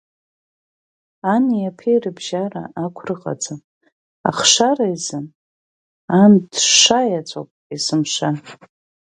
Ани-аԥеи рыбжьара ақәра ыҟаӡам, ахшара изын ан дшаеҵәоуп есымша.